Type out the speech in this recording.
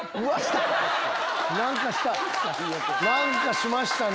何かしましたね。